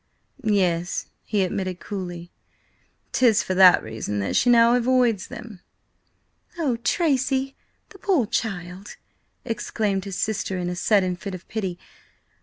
"Yes," he admitted coolly. "'Tis for that reason that she now avoids them." "Oh, Tracy, the poor child!" exclaimed his sister in a sudden fit of pity.